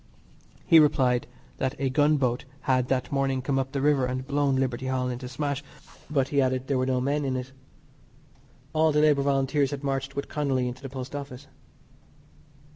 He replied that a gunboat had that morning come up the river and had blown Liberty Hall into smash, but, he added, there were no men in it. All the Labour Volunteers had marched with Connolly into the Post Office.